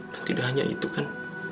dan tidak hanya itu kan